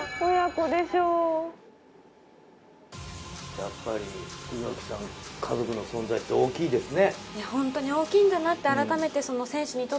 やっぱり家族の存在って大きいですね。